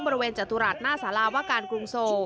บริเวณจตุรัสหน้าสาราวะการกรุงโซ